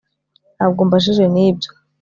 Ntabwo umbajije nibyo